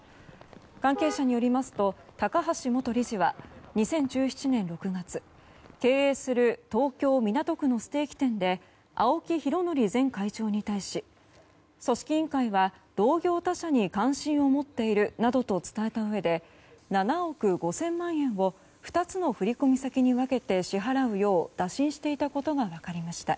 関係者によりますと高橋元理事は２０１７年６月、経営する東京・港区のステーキ店で青木拡憲前会長に対し組織委員会は同業他社に関心を持っているなどと伝えたうえで７億５０００万円を２つの振込先に分けて支払うよう、打診していたことが分かりました。